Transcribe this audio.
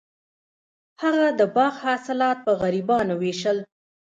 هغه د باغ حاصلات په غریبانو ویشل.